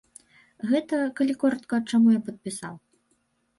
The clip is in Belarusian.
Гэта, калі коратка, чаму я падпісаў.